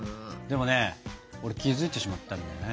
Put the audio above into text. でもね俺気付いてしまったんだよね。